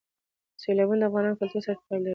سیلابونه د افغان کلتور سره تړاو لري.